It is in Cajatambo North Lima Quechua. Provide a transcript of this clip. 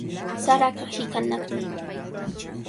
Saraqa hiqanaqmi.